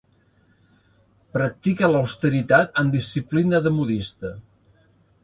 Practica l'austeritat amb disciplina de modista.